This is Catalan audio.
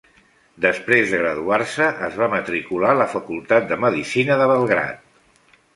Després de graduar-se, es va matricular en la Facultat de Medicina de Belgrad.